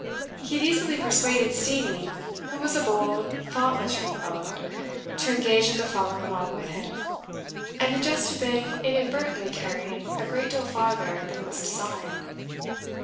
He had easily persuaded Steenie, who was a bold thoughtless young fellow, to engage in the frolic along with him, and the jest had been inadvertently carried a great deal farther than was designed.